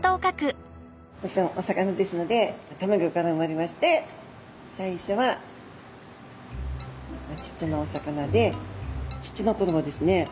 もちろんお魚ですのでたまギョから生まれまして最初はちっちゃなお魚でちっちゃなころはですね